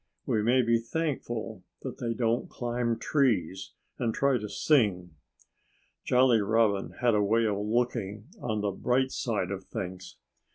We may be thankful that they don't climb trees and try to sing." Jolly Robin had a way of looking on the bright side of things.